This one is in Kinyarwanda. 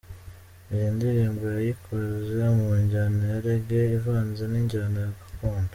Iyi ndirimbo yayikoze mu njyana ya Reggae ivanze n’injyana gakondo .